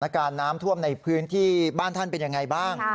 การน้ำท่วมในพื้นที่บ้านท่านเป็นยังไงบ้าง